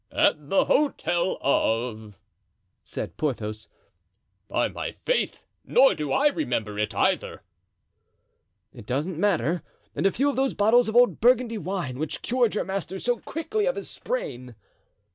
"At the hotel of——," said Porthos; "by my faith—nor do I remember it either." "It does not matter; and a few of those bottles of old Burgundy wine, which cured your master so quickly of his sprain!"